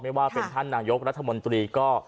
ว่าเป็นท่านนายกรัฐมนตรีก็